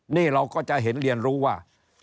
นี่เราก็จะเห็นเรียนรู้ว่า